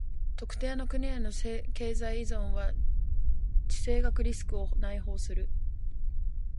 特定の国への経済依存は地政学リスクを内包する。